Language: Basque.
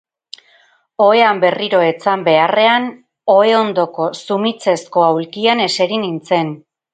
Ohean berriro etzan beharrean, ohe ondoko zumitzezko aulkian eseri nintzen.